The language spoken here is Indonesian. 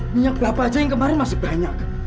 minyak kelapa aja yang kemarin masih banyak